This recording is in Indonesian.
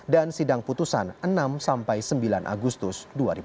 dan sidang putusan enam sampai sembilan agustus dua ribu sembilan belas